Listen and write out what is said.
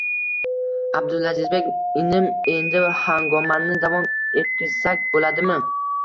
Abdulazizbek, inim, endi hangomani davom etkizsak bo`ladimi